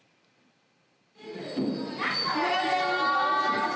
おはようございます。